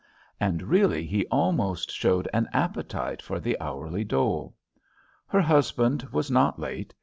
And really he almost showed an appetite for the hourly dole. Her husband was not late.